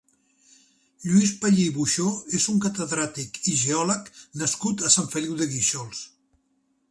Lluís Pallí i Buxó és un catedràtic i geòleg nascut a Sant Feliu de Guíxols.